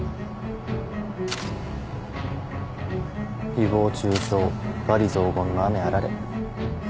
誹謗中傷罵詈雑言の雨あられ。